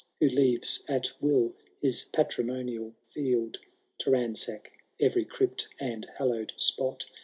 Who leaves at will his patrimonial field To ransack every crypt and hallowM spot.